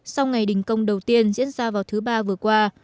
sau ngày đình công đầu tiên diễn ra vào thứ ba vừa qua